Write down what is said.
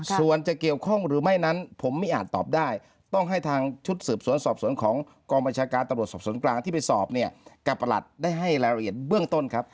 ส่วนจะเกี่ยวข้องหรือไม่นั้นผมไม่อาจตอบได้ต้องให้ทางชุดสืบสวนสอบสวนของกองบัญชาการตำรวจสอบสวนกลางที่ไปสอบเนี่ยกับประหลัดได้ให้รายละเอียดเบื้องต้นครับ